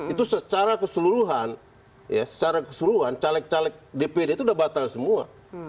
itu secara keseluruhan caleg caleg dpd itu sudah batal semua